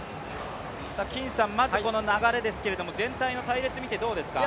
金さんこの流れですけれども、全体の隊列見てどうですか？